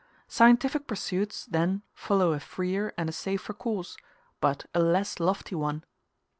Scientific pursuits then follow a freer and a safer course, but a less lofty one.